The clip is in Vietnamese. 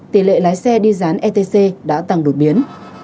tỷ lệ lái xe đi dán etc đã tăng đột biến